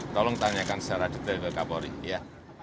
tolong tanyakan secara detail ke kapolri ya